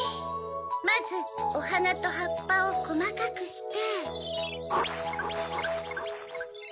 まずおはなとはっぱをこまかくして。